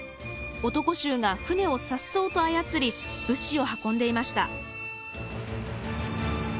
男衆が舟をさっそうと操り物資を運んでいました。